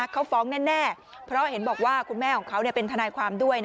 เขาฟ้องแน่เพราะเห็นบอกว่าคุณแม่ของเขาเป็นทนายความด้วย